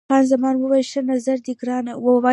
خان زمان وویل، ښه نظر دی ګرانه.